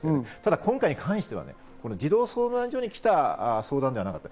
今回に関しては児童相談所に来た相談ではなかった。